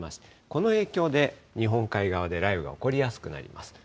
この影響で日本海側で雷雨が起こりやすくなります。